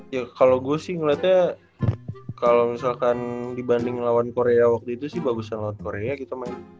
ya kalo gue sih ngeliatnya kalo misalkan dibanding lawan korea waktu itu sih bagus banget korea gitu man